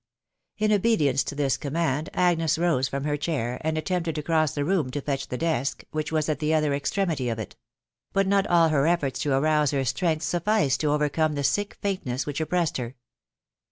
'* In obedience to this command, Agnes rose from her chair, and attempted to cross the room to fetch the desk, which was at the other extremity of it ; but not all her efforts to arouse her strength sufficed to overcome the sick faintness which oppressed her.